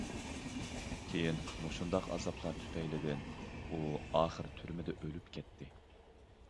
كېيىن مۇشۇنداق ئازابلار تۈپەيلىدىن ئۇ ئاخىر تۈرمىدە ئۆلۈپ كەتتى.